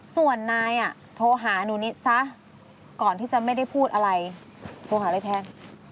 ส่วนนายโทรหาหนูนิดซะก่อนที่จะไม่ได้พูดอะไรโทรหาอะไรแทน